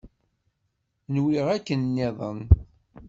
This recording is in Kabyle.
Nwiɣ akken-nniḍen.